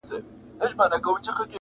ساقي د محتسب او د شیخانو له شامته-